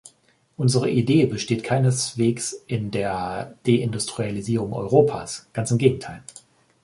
Unsere Idee besteht keineswegs in der Deindustrialisierung Europas, ganz im Gegenteil.